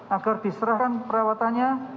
agar diserahkan perawatannya